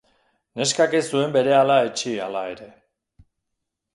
Neskak ez zuen berehala etsi hala ere.